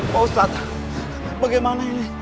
pak ustadz bagaimana ini